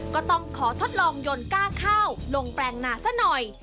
ก็ต้องขอทดลองยนต์ก้าข้าวลงแปลงหนาซะหน่อย